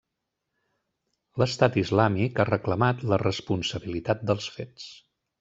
L'Estat islàmic ha reclamat la responsabilitat dels fets.